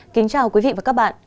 kính chào quý vị và các bạn